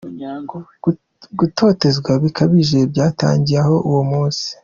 Gutotezwa bikabije byatangiriye aho uwo munsi.